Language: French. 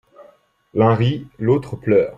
L'un rit, l'autre pleure.